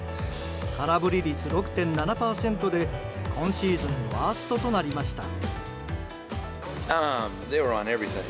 空振り率６．７％で今シーズンワーストとなりました。